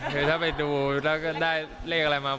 คือถ้าไปดูแล้วก็ได้เลขอะไรมา